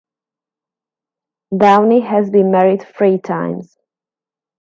Downey has been married three times.